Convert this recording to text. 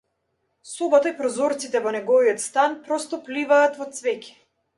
Собата и прозорците во неговиот стан просто пливаат во цвеќе.